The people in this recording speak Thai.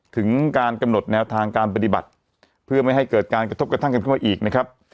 ถึงการกำหนดแนวทางการปฏิบัติเพื่อไม่ให้เกิดการกระทบกระทั่งกันขึ้นมาอีกนะครับ